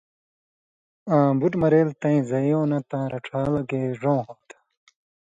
آں بُٹ مرېل تَیں زئیوں نہ تاں رڇھان٘لہ گے ڙؤں ہو تھہ۔